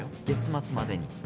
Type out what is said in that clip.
月末までに。